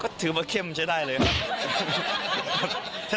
ก็ถือว่าเข้มใช้ได้เลยครับ